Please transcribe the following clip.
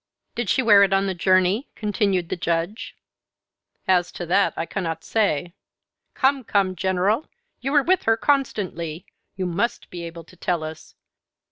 "Did she wear it on the journey?" continued the Judge. "As to that I cannot say." "Come, come, General, you were with her constantly; you must be able to tell us.